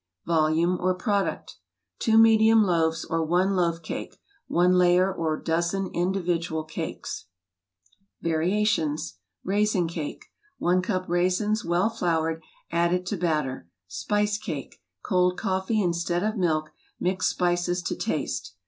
Volume or Product 2 medium loaves or I loaf cake, i layer or dozen individual cakes. Raisin Cake i cup raisins, well floured, added to bat¬ ter. _ Spice Cake Cold coffee instead of milk, mixed spices to taste.